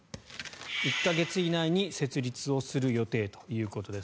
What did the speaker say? １か月以内に設立をする予定ということです。